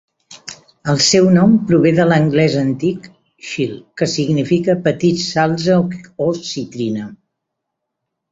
El seu nom prové de l'anglès antic "sealh", que significa petit salze o citrina.